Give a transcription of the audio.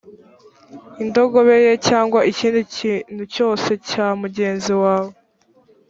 indogobe ye cyangwa ikindi kintu cyose cya mugenzi wawe r